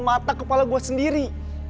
mata kepala gue sendiri